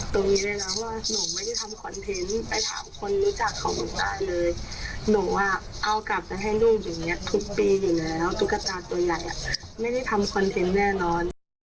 ตุ๊กตาตัวใหญ่อ่ะไม่ได้ทำคอนเทนต์แน่นอน